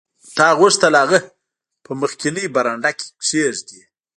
تا غوښتل هغه په مخکینۍ برنډه کې کیږدې